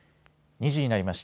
２時になりました。